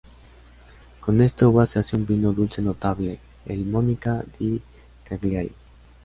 Con esta uva se hace un vino dulce notable, el Monica di Cagliari.